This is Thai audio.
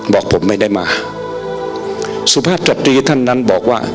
บอกผมไม่ได้มาสุภาพจตรีท่านนั้นบอกว่า